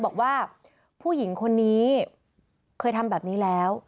บอกว่าผู้หญิงคนนี้เคยทำแบบนี้แล้ว